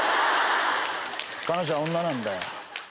彼女は女なんだよ。